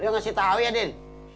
lo ngasih tau ya din